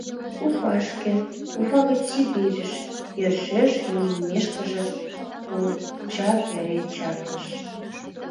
Уфашке, Уфа гыч Сибирьыш, йӧршеш йоммешкыже, Колчак эре чакныш.